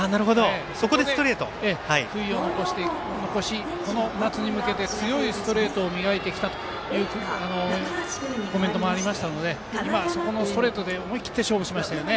そこで悔いを残しこの夏に向けて強いストレートを磨いてきたというコメントもありましたのでそこのストレートで思い切って勝負しましたよね。